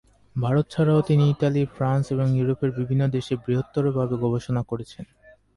ভারত ছাড়াও তিনি Italy France এবং ইউরোপের বিভিন্ন দেশে বৃহত্তর ভাবে গবেষণা করেছেন।